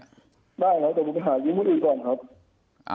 ได้นะแต่ผมไปหายิ้มดีก่อนครับ